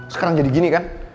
sekarang jadi gini kan